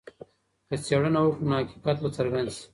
که څېړنه وکړو نو حقیقت به څرګند سي.